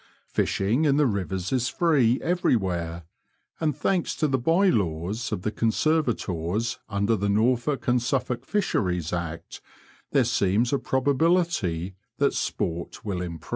Fishing in the rivers is free everywhere, and thanks to the Bye laws of the Conservators under the Norfolk and SuflFolk Fisheries Act, there seems a probability that sport will improve.